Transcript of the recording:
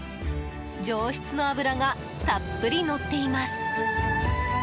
上質の脂がたっぷりのっています。